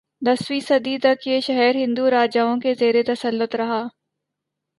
دسویں صدی تک یہ شہر ہندو راجائوں کے زیرتسلط رہا